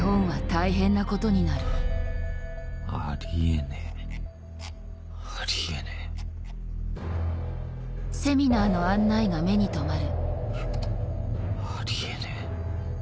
フッあり得ねえ。あり得ねえ。あり得ねえ。